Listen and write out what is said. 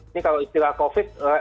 ini kalau istilah covid